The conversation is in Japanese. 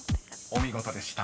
［お見事でした。